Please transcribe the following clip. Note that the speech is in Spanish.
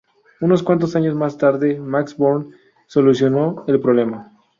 Unos cuantos años más tarde, Max Born solucionó el problema.